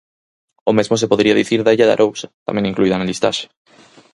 O mesmo se podería dicir da Illa de Arousa, tamén incluída na listaxe.